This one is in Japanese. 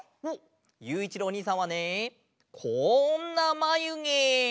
ゆういちろうおにいさんはねこんなまゆげ！